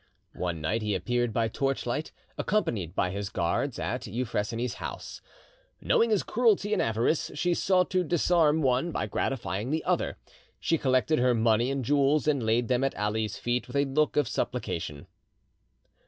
One night he appeared by torchlight, accompanied by his guards, at Euphrosyne's house. Knowing his cruelty and avarice, she sought to disarm one by gratifying the other: she collected her money and jewels and laid them at Ali's feet with a look of supplication.